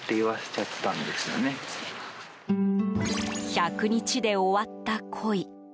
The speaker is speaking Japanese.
１００日で終わった恋。